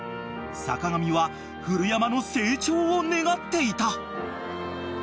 ［坂上は古山の成長を願っていた］